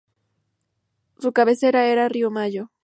Su cabecera era Río Mayo.